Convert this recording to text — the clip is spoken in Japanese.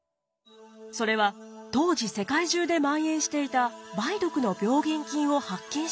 それは当時世界中で蔓延していた梅毒の病原菌を発見した論文でした。